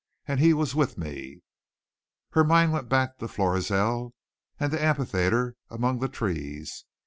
And he was with me." Her mind went back to Florizel and the amphitheatre among the trees.